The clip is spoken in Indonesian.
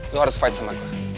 lu harus fight sama gua